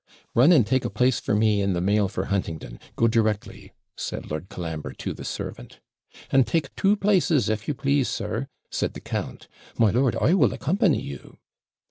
'Run and take a place for me in the mail for Huntingdon. Go directly,' said Lord Colambre to the servant. 'And take two places, if you please, sir,' said the count. 'My lord, I will accompany you.'